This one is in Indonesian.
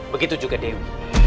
begitu juga dewi